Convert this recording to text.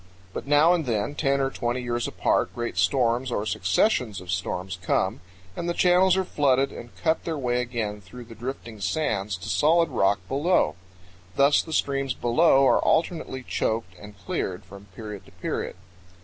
But now and then, ten or twenty years apart, great storms or successions of storms come, and the channels are flooded and cut their way again through the drifting sands to solid rock below. Thus the streams below are alternately choked and cleared from period to period.